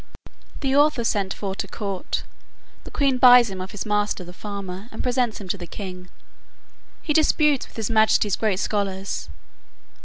The author sent for to court. The queen buys him of his master the farmer, and presents him to the king. He disputes with his majesty's great scholars.